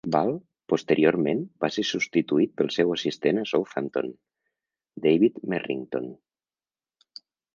Ball, posteriorment, va ser substituït pel seu assistent a Southampton, David Merrington.